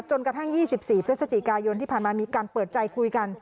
จนกระทั่ง๒๔พฤศจิกายนที่ผ่านมามีการเปิดใจคุยกัน